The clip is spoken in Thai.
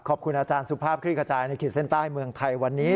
ขอบคุณอาจารย์สุภาพคลิกกระจายในขีดเส้นใต้เมืองไทยวันนี้